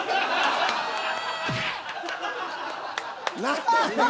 何やねん。